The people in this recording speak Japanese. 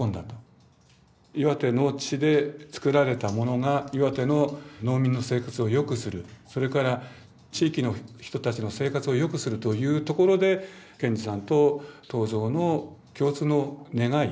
岩手の地で作られたものが岩手の農民の生活をよくするそれから地域の人たちの生活をよくするというところで賢治さんと東蔵の共通の願い